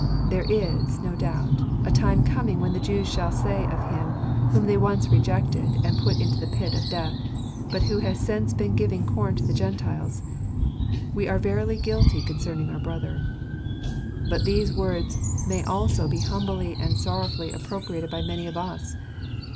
There is, no doubt, a time coming when the Jews shall say of Him, whom they once rejected and put into the pit of death, but who has since been giving corn to the Gentiles, " We are verily guilty concerning our Brother." But these words may also be humbly and sorrowfully appropriated by many of us.